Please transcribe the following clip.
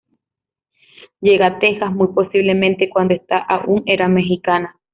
Llega a Texas muy posiblemente cuando esta aún era mexicana.